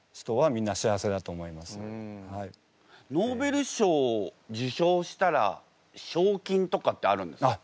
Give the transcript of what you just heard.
ノーベル賞を受賞したら賞金とかってあるんですか？